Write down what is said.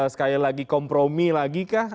sekali lagi kompromi lagi kah